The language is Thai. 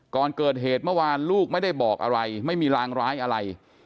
ก่อนเกิดเหตุเมื่อวานลูกไม่ได้บอกอะไรไม่มีรางร้ายอะไร